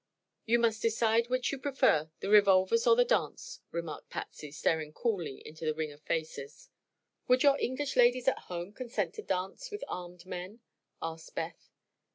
"You must decide which you prefer the revolvers or the dance," remarked Patsy, staring coolly into the ring of faces. "Would your English ladies at home consent to dance with armed men?" asked Beth.